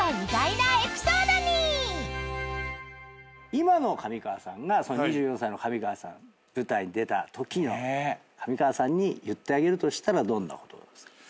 今の上川さんが２４歳の上川さん舞台に出たときの上川さんに言ってあげるとしたらどんな言葉ですか？